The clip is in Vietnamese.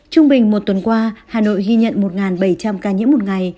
trung bình một tuần qua hà nội ghi nhận một bảy trăm linh ca nhiễm một ngày